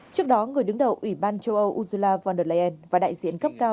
trước đó người đứng đầu ủy ban châu âu ursula von der leyen và đại diện cấp cao